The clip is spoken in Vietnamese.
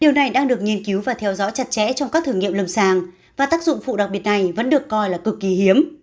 điều này đang được nghiên cứu và theo dõi chặt chẽ trong các thử nghiệm lâm sàng và tác dụng phụ đặc biệt này vẫn được coi là cực kỳ hiếm